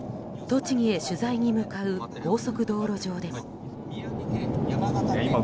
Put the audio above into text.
栃木へ取材に向かう高速道路上でも。